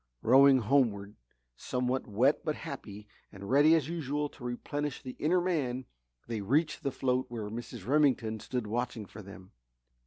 Rowing homeward, somewhat wet but happy and ready as usual to replenish the inner man, they reached the float where Mrs. Remington stood watching for them.